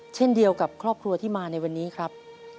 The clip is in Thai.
เช่นเดียวกับครอบครัวที่มาในวันนี้ครับ